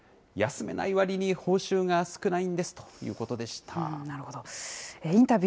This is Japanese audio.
休めないわりに報酬が少ないんですということでした。